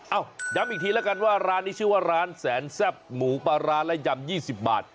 ย้ำอีกทีแล้วกันว่าร้านนี้ชื่อว่าร้านแสนแซ่บหมูปลาร้าและยำ๒๐บาท